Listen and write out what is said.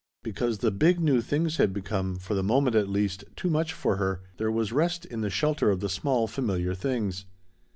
Because the big new things had become for the moment, at least too much for her, there was rest in the shelter of the small familiar things.